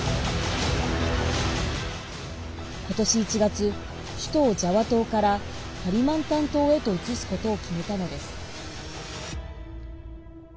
今年１月、首都をジャワ島からカリマンタン島へと移すことを決めたのです。